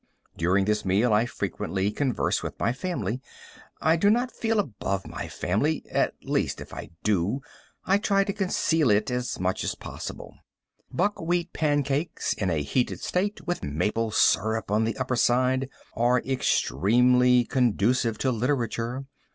During this meal I frequently converse with my family. I do not feel above my family, at least, if I do, I try to conceal it as much as possible. Buckwheat pancakes in a heated state, with maple syrup on the upper side, are extremely conducive to literature.